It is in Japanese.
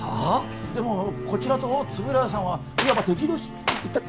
でもこちらと円谷さんはいわば敵同士イタッ！